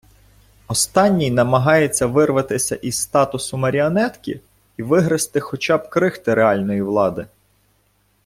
Останній намагається вирватися із статусу маріонетки і вигризти хоча б крихти реальної влади.